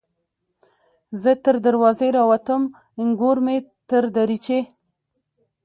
ـ زه تر دروازې راوتم نګور مې تر دريچې